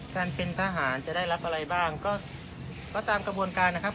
การเป็นทหารจะได้รับอะไรบ้างก็ตามกระบวนการนะครับ